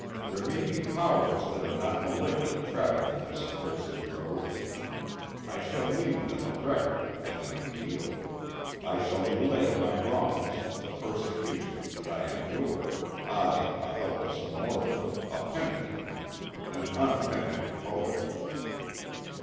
There may be powers that are not malignant traveling this accursed road. I shall leave them a record and an appeal. I shall relate my wrongs, the persecutions that I endure—I, a helpless mortal, a penitent, an unoffending poet!"